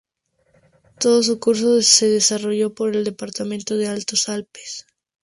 Todo su curso se desarrolla por el departamento de Altos Alpes.